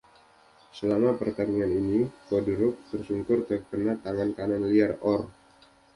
Selama pertarungan ini Fedoruk tersungkur terkena tangan kanan liar Orr.